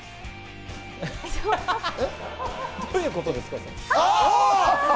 どういうことですか？